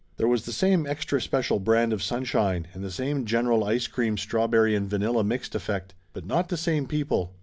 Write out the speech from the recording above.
There was the same extra special brand of sunshine, and the same general ice cream strawberry and vanilla mixed effect. But not the same people.